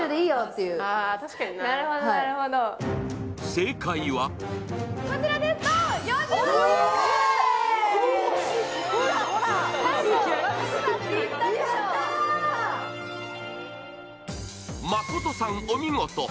正解は誠さん、お見事。